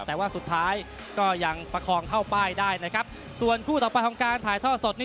แต่ว่าสุดท้ายก็ยังประคองเข้าป้ายได้นะครับส่วนคู่ต่อไปของการถ่ายท่อสดนี้